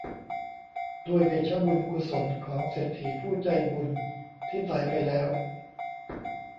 ด้วยเดชะบุญกุศลของเศรษฐีผู้ใจบุญที่ตายไปแล้ว